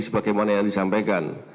sebagaimana yang disampaikan